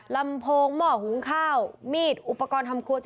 ลำโพงหม้อหุงข้าวมีดอุปกรณ์ทำครัว